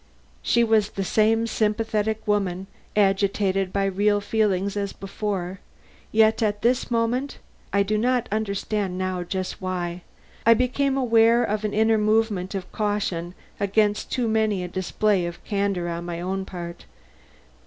She was the same sympathetic woman, agitated by real feeling as before, yet at this moment I do not understand now just why I became aware of an inner movement of caution against too great a display of candor on my own part.